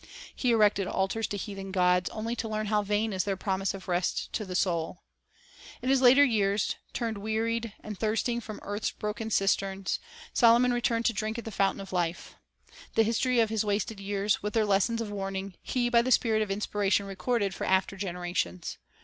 He erected altars to heathen gods, only to learn how vain is their promise of rest to the soul. In his later years, turning wearied and thirsting from 'Eccl. 2:4 12, 17. 18. 154 The Bible as an Educator The Late Return earth's broken cisterns, Solomon returned to drink at the fountain of life. The history of his wasted years, with their lessons of warning, he by the Spirit of inspira tion recorded for after generations.